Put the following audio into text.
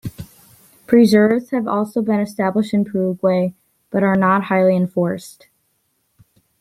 Preserves have also been established in Paraguay, but are not highly enforced.